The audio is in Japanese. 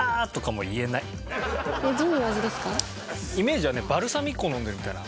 イメージはねバルサミコ飲んでるみたいな。